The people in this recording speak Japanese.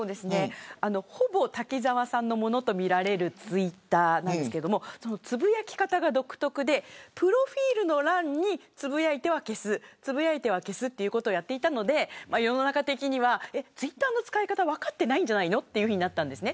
ほぼ滝沢さんのものとみられるツイッターなんですがつぶやき方が独特でプロフィルの欄につぶやいては消すつぶやいては消すということをしていたので世の中的にはツイッターの使い方分かっていないんじゃないのとなりました。